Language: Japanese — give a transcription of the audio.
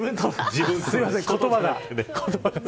すいません、言葉が。